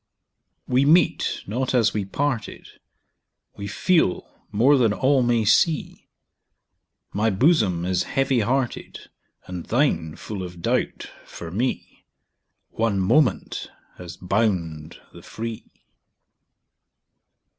We meet not as we parted, We feel more than all may see; My bosom is heavy hearted, And thine full of doubt for me: One moment has bound the free.